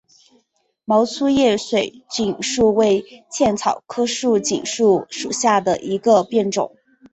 毛粗叶水锦树为茜草科水锦树属下的一个变种。